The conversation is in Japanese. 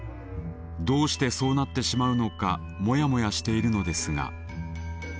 どうしてそうなってしまうのかモヤモヤしているのですが。